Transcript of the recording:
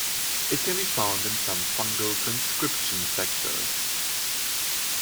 It can be found in some fungal transcription factors.